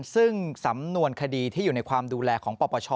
ซึ่งสำนวนคดีที่อยู่ในความดูแลของปปช